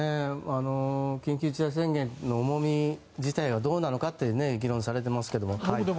緊急事態宣言の重み自体はどうなのかという議論されてますけども。